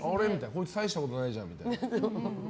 こいつ大したことないじゃんみたいな。